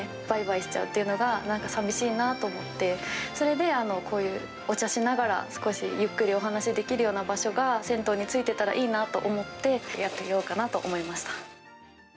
ばいばいしちゃうというのがなんかさみしいなと思って、それで、こういうお茶しながら、少しゆっくりお話しできるような場所が銭湯についてたらいいなと思って、やってみようかなと思いました。